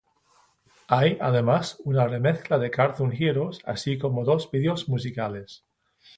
Hay, además, una remezcla de Cartoon Heroes, así como dos vídeos musicales.